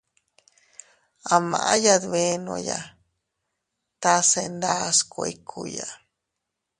A maʼya dbenoya tase ndas kuikkuya.